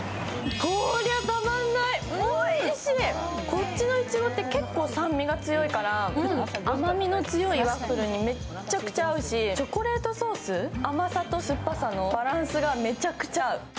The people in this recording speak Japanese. こっちのいちごって結構酸味が強いから甘みの強いワッフルにめちゃくちゃ合うし、チョコレートソース、甘さと酸っぱさのバランスがめちゃくちゃ合う。